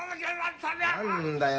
何だよ